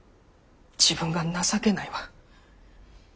自分が情けないわ。